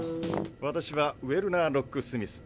私はウェルナー・ロックスミス。